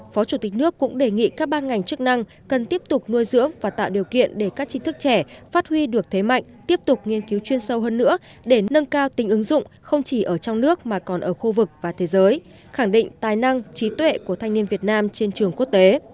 phó chủ tịch nước cũng đề nghị các ban ngành chức năng cần tiếp tục nuôi dưỡng và tạo điều kiện để các trí thức trẻ phát huy được thế mạnh tiếp tục nghiên cứu chuyên sâu hơn nữa để nâng cao tính ứng dụng không chỉ ở trong nước mà còn ở khu vực và thế giới khẳng định tài năng trí tuệ của thanh niên việt nam trên trường quốc tế